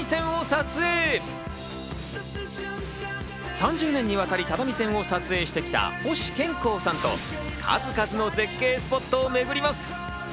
３０年に渡り、只見線を撮影してきた星賢孝さんと、数々の絶景スポットをめぐります。